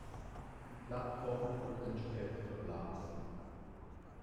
Die Plattformen wurden später verglast.